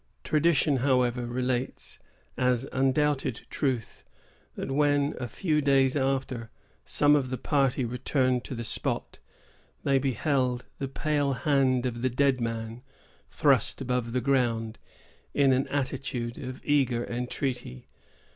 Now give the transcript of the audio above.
Tradition, however, relates, as undoubted truth, that when, a few days after, some of the party returned to the spot, they beheld the pale hands of the dead man thrust above the ground, in an attitude of eager entreaty.